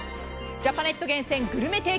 ジャパネット厳選グルメ